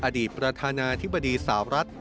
อดีตประธานาธิบดีสาวรัฐ